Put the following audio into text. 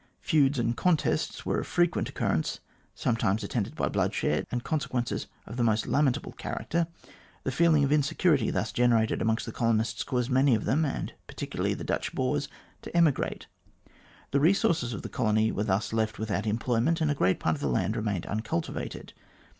Feuds and contests were of frequent occurrence, sometimes attended by bloodshed and consequences of the most lamentable character. The feeling of insecurity thus generated amongst the colonists caused many of them, and particularly the Dutch Boers, to emigrate. The resources of the colony were thus left with out employment, and a great part of the land remained uncultivated.